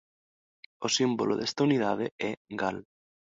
O símbolo desta unidade é Gal.